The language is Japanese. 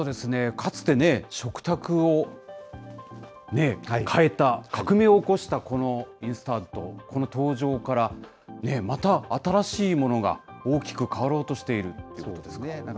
かつてね、食卓を変えた、革命を起こしたこのインスタント、この登場から、また新しいものが、大きく変わろうとしているってことですか。